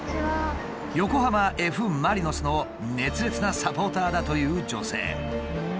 横浜Ｆ・マリノスの熱烈なサポーターだという女性。